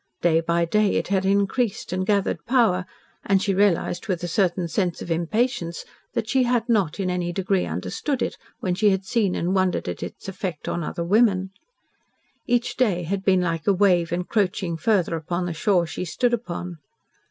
Day by day it had increased and gathered power, and she realised with a certain sense of impatience that she had not in any degree understood it when she had seen and wondered at its effect on other women. Each day had been like a wave encroaching farther upon the shore she stood upon.